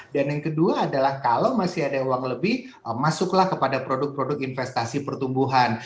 dan yang kedua adalah kalau masih ada uang lebih masuklah kepada produk produk investasi pertumbuhan